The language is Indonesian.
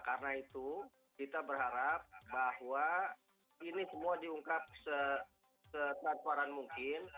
karena itu kita berharap bahwa ini semua diungkap setelah kewaran mungkin